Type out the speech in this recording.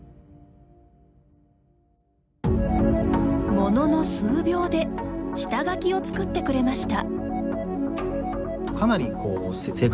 ものの数秒で下書きを作ってくれました。